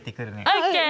オッケー。